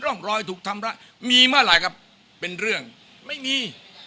ร่องรอยถูกทำรมีมาหลายครับเป็นเรื่องไม่มี